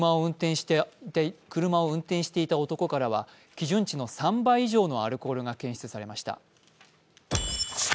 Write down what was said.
車を運転していた男からは基準値の３倍以上のアルコールが検出されました。